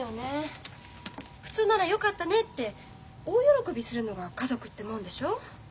普通ならよかったねって大喜びするのが家族ってもんでしょ？